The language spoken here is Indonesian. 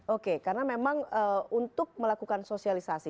oke karena memang untuk melakukan sosialisasi